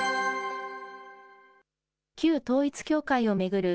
旧統一教会を巡る